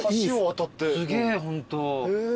すげぇホント。